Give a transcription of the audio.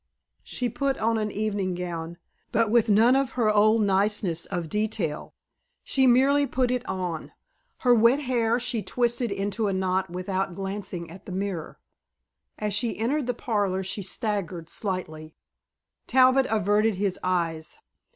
She put on an evening gown, but with none of her old niceness of detail. She merely put it on. Her wet hair she twisted into a knot without glancing at the mirror. As she entered the parlor she staggered slightly. Talbot averted his eyes.